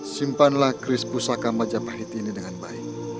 simpanlah krispusaka majapahit ini dengan baik